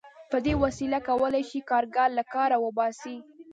په دې وسیله کولای شي کارګر له کاره وباسي